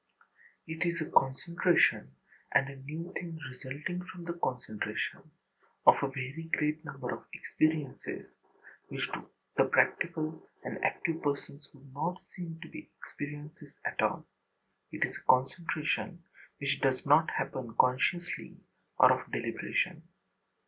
It is a concentration, and a new thing resulting from the concentration, of a very great number of experiences which to the practical and active person would not seem to be experiences at all; it is a concentration which does not happen consciously or of deliberation.